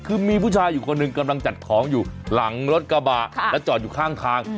คือมีผู้ชายอยู่คนหนึ่งกำลังจัดของอยู่หลังรถกระบะแล้วจอดอยู่ข้างทาง